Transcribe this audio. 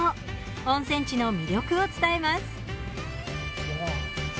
温泉地の魅力を伝えます。